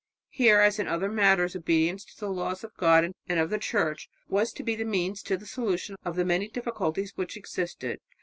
Here, as in other matters, obedience to the laws of God and of the Church was to be the means to the solution of the many difficulties which existed.